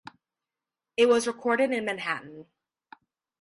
It was recorded in Manhattan.